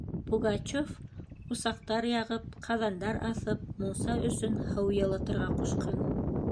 Пугачёв усаҡтар яғып, ҡаҙандар аҫып мунса өсөн һыу йылытырға ҡушҡан.